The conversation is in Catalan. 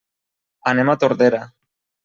Anem a Tordera.